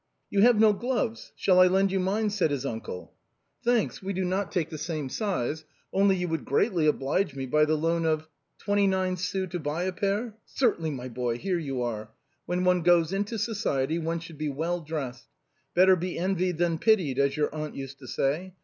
" You have no gloves ; shall I lend you mine ?" said his uncle. " Thanks, we do not take the same size, only you would greatly oblige me by the loan of —"" Twenty nine sous to buy a pair ? Certainly, my boy, here you are. When one goes into society one should be well dressed. Better be envied than pitied, as your aunt used to say.